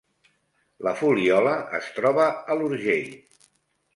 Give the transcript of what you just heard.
La Fuliola es troba a l’Urgell